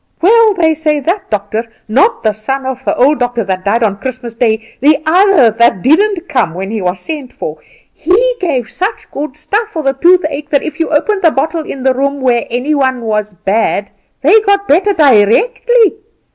"Well, they say that doctor not the son of the old doctor that died on Christmas day, the other that didn't come when he was sent for he gave such good stuff for the toothache that if you opened the bottle in the room where any one was bad they got better directly.